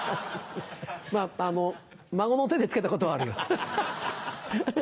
まぁ孫の手で付けたことはあるよ。ハハハ！